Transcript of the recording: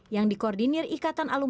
yang dikoordinir ikatan alat alat